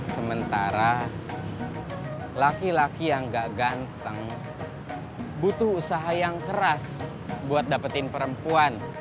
sementara laki laki yang gak ganteng butuh usaha yang keras buat dapetin perempuan